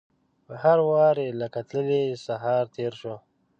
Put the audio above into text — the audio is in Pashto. په هر واري لکه تللی سهار تیر شو